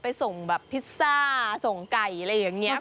ไปส่งแบบพิซซ่าส่งไก่อะไรอย่างนี้ครับคุณ